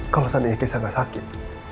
kalau seandainya keisha gak sakit